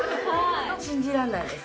信じられないです。